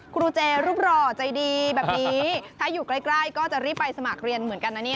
ครูเจรูปหล่อใจดีแบบนี้ถ้าอยู่ใกล้ก็จะรีบไปสมัครเรียนเหมือนกันนะเนี่ย